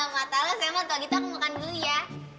matalo sama semat waktu itu aku makan dulu ya